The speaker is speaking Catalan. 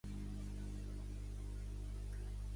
Es fa servir com fòssil índex per aquest període geològic.